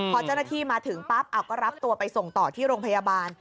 พอเจ้าหน้าที่มาถึงปั๊บก็รับตัวไปส่งต่อที่โรงพยาบาล